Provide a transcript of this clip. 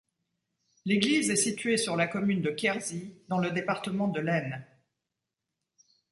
L'église est située sur la commune de Quierzy, dans le département de l'Aisne.